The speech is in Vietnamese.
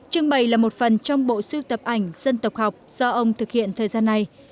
trưng bày là một phần trong bộ sưu tập ảnh dân tộc học do ông thực hiện thời gian này